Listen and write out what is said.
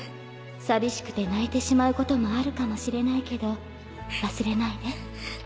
寂しくて泣いてしまうこともあるかもしれないけど忘れないで。